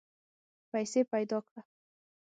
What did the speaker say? پیسې پیدا کړه.